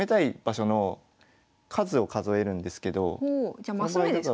じゃマス目ですか？